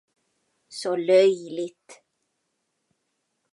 Så löjligt!